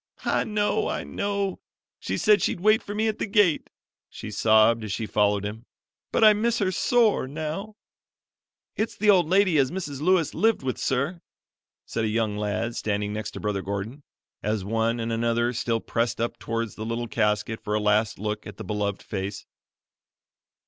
"I know, I know: she said she'd wait for me at the gate," she sobbed as she followed him; "but I miss her sore now." "It's the old lady as Mrs. Lewis lived with sir," said a young lad standing next to Brother Gordon, as one and another still pressed up towards the little casket for a last look at the beloved face.